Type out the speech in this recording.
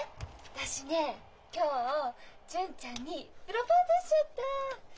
私ね今日純ちゃんにプロポーズしちゃった。